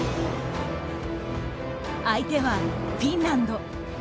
相手はフィンランド。